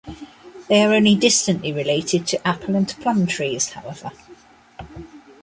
They are only distantly related to apple and plum trees, however.